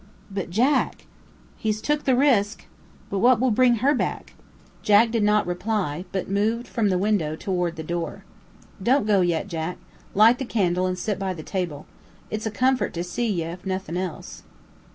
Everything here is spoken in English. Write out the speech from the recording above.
"But, Jack?" "He's took the risk!" "But will that bring HER back?" Jack did not reply, but moved from the window toward the door. "Don't go yet, Jack; light the candle, and sit by the table. It's a comfort to see ye, if nothin' else."